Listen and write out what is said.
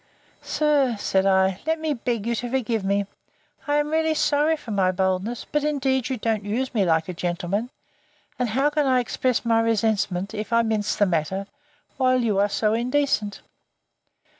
Sir, said I, let me beg you to forgive me: I am really sorry for my boldness; but indeed you don't use me like a gentleman: and how can I express my resentment, if I mince the matter, while you are so indecent?